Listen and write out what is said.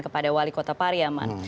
kepada wali kota pariyaman